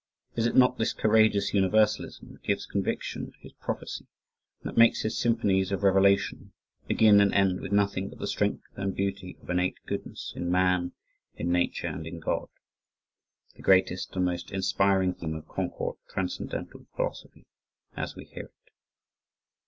Is it not this courageous universalism that gives conviction to his prophecy and that makes his symphonies of revelation begin and end with nothing but the strength and beauty of innate goodness in man, in Nature and in God, the greatest and most inspiring theme of Concord Transcendental Philosophy, as we hear it.